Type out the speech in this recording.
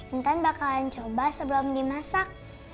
mungkin bakalan coba sebelum dimasak